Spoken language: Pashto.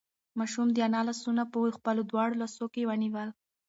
ماشوم د انا لاسونه په خپلو دواړو لاسو کې ونیول.